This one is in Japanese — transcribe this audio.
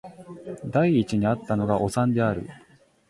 第一に逢ったのがおさんである